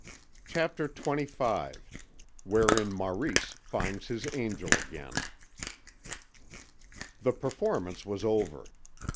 CHAPTER XXV WHEREIN MAURICE FINDS HIS ANGEL AGAIN The performance was over.